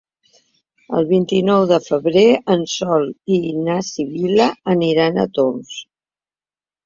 El vint-i-nou de febrer en Sol i na Sibil·la aniran als Torms.